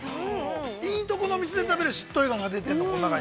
いいところの店で食べるしっとり感が出てんの、この中に。